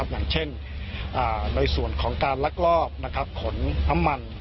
อย่างเช่นในส่วนของการลักลอบขนน้ำมัน